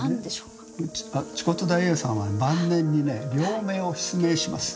癡兀大慧さんは晩年にね両目を失明します。